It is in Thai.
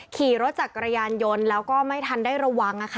ขี่รถจักรยานยนต์แล้วก็ไม่ทันได้ระวัง